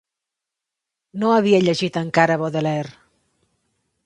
No havia llegit encara Baudelaire